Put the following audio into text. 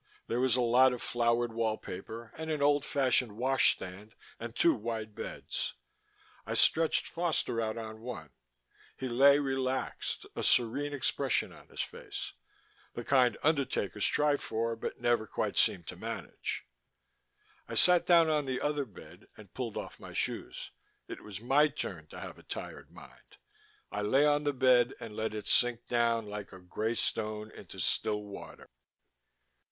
There was a lot of flowered wallpaper and an old fashioned wash stand and two wide beds. I stretched Foster out on one. He lay relaxed, a serene expression on his face the kind undertakers try for but never quite seem to manage. I sat down on the other bed and pulled off my shoes. It was my turn to have a tired mind. I lay on the bed and let it sink down like a grey stone into still water.